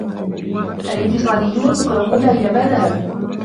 الإنفصاليون مكروهون أينما ذهبوا.